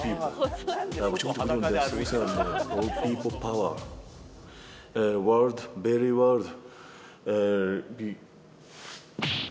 ワールドベリーワールド。